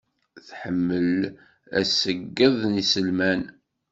Tḥemmel aṣeyyed n iselman.